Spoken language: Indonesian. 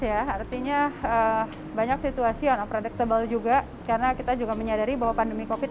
ya artinya banyak situasi on uprodictable juga karena kita juga menyadari bahwa pandemi kofit